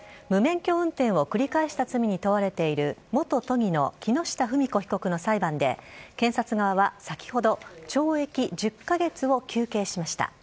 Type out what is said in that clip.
無免許運転を繰り返した罪に問われている元都議の木下富美子被告の裁判で、検察側は先ほど、懲役１０か月を求刑しました。